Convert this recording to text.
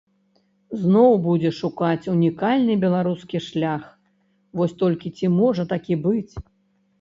Зноў будзе шукаць унікальны беларускі шлях, вось толькі ці можа такі быць?